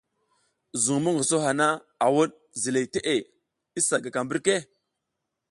Zuŋ mongoso hana, a wuɗ ziley teʼe, i sa gaka mbirke.